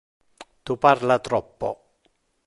Tu parla troppo.